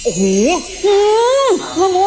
โอ้โห